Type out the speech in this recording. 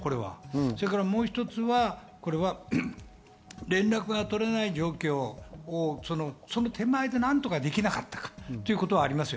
もう一つは連絡が取れない状況、その手前でなんとかできなかったかということがあります。